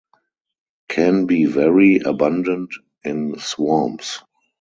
Can be very abundant in swamps.